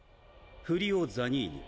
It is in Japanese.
フリオ・ザニーニ。